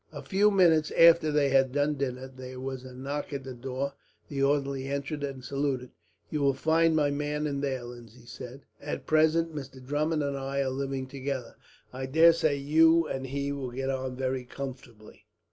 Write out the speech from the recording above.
A few minutes after they had done dinner, there was a knock at the door. The orderly entered and saluted. "You will find my man in there," Lindsay said. "At present, Mr. Drummond and I are living together. I daresay you and he will get on very comfortably."